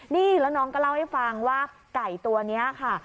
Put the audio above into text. นี่แล้วน้องก็เล่าให้ฟังว่าไก่ตัวนี้ค่ะ